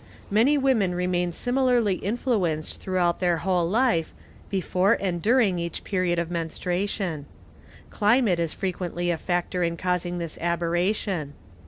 '' Mar women remain similarly influenced throughout their whole life, befo: "e and during each period of menstruation. Climate is frequently a fact in causing this aberration.